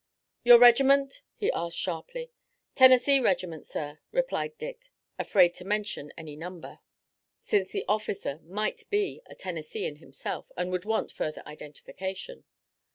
"Your regiment?" he asked sharply. "Tennessee regiment, sir," replied Dick, afraid to mention any number, since this officer might be a Tennesseean himself, and would want further identification.